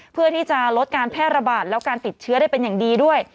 เพื่อที่จะลดการแพร่ระบาดแล้วการติดเชื้อได้เป็นอย่างดีด้วย